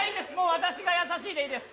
私が優しいです。